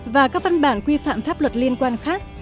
và các văn bản quy phạm pháp luật liên quan khác